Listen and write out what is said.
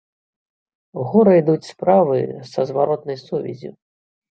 Горай ідуць справы са зваротнай сувяззю.